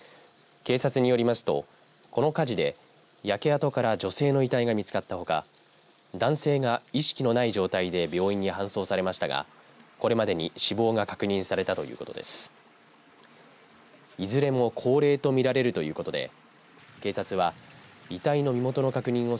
警察によりますとこの火事で焼け跡から女性の遺体が見つかったほか男性が意識のない状態で病院に搬送されましたがこれまでに死亡が確認されたということです。